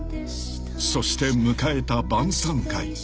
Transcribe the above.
［そして迎えた晩さん会］